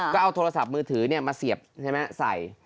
ก็เอาโทรศัพท์มือถือเนี่ยมาเสียบใส่